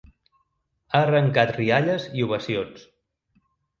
Ha arrencat rialles i ovacions.